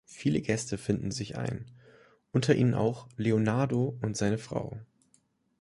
Viele Gäste finden sich ein, unter ihnen auch Leonardo und seine Frau.